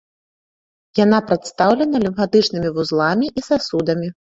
Яна прадстаўлена лімфатычнымі вузламі і сасудамі.